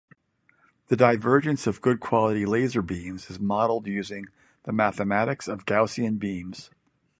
The divergence of good-quality laser beams is modeled using the mathematics of Gaussian beams.